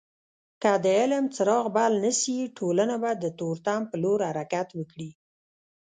که د علم څراغ بل نسي ټولنه به د تورتم په لور حرکت وکړي.